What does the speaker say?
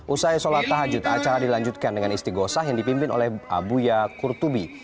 usai sholat tahajud acara dilanjutkan dengan istiqosah yang dipimpin oleh abuya kurtubi